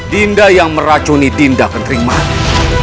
dinda yang meracuni dinda kenteri panik